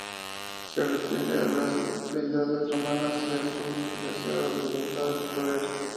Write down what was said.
Se refiere a las deidades romanas, y a sus deseos, su voluntad, su poder.